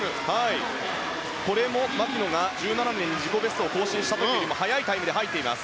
これも牧野が１７年に自己ベストを更新した時よりも速いタイムで入っています。